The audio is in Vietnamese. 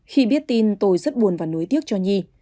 khi biết tin tôi rất buồn và nối tiếc cho nhi